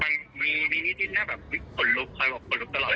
มันมีวิธีที่น่าเป็นผลลุกคอยปกล้องรับตลอด